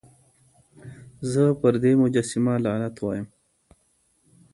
زه پر دې مجسمه لعنت وايم.